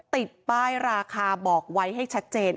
ติดป้ายราคาบอกไว้ให้ชัดเจน